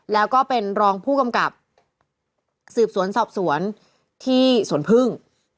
แล้วก็เป็นรองผู้กำกับสืบสวนสอบสวนที่สวนพึ่ง